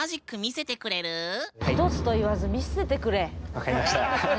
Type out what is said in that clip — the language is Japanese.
分かりました。